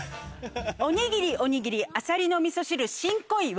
おにぎりおにぎりアサリの味噌汁新小岩！